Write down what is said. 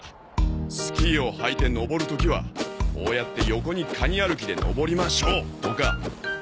スキーを履いて上る時はこうやって横にカニ歩きで上りましょうとか。